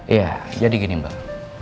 iya jadi gini mbak